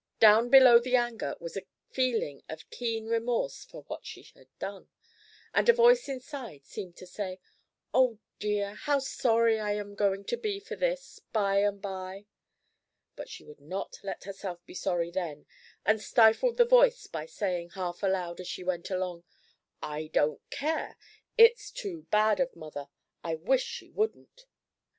Down below the anger was a feeling of keen remorse for what she had done, and a voice inside seemed to say: "Oh dear, how sorry I am going to be for this by and by!" But she would not let herself be sorry then, and stifled the voice by saying, half aloud, as she went along: "I don't care. It's too bad of mother. I wish she wouldn't."